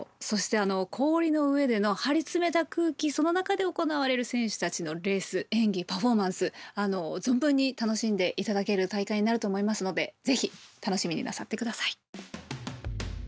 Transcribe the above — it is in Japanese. そして氷の上での張り詰めた空気その中で行われる選手たちのレース演技、パフォーマンス存分に楽しんでいただける大会になると思いますのでぜひ、楽しみになさってください。